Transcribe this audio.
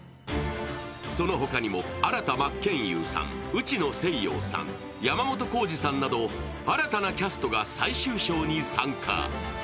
そのほかにも新田真剣佑さん、内野聖陽さん、山本耕史さんなど新たなキャストが最終章に参加。